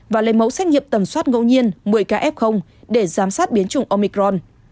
và lấy mẫu xét nghiệm tầm soát ngẫu nhiên một mươi kf để giám sát biến chủng omicron